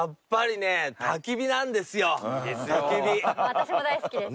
私も大好きです。